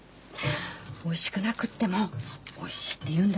おいしくなくても「おいしい」って言うんだよ。